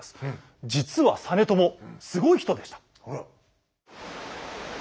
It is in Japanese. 実は実朝すごい人でした。